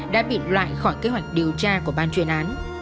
đã bị loại khỏi kế hoạch điều tra của ban chuyên án